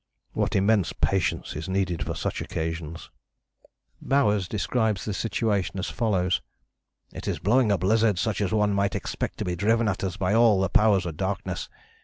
What immense patience is needed for such occasions!" Bowers describes the situation as follows: "It is blowing a blizzard such as one might expect to be driven at us by all the powers of darkness.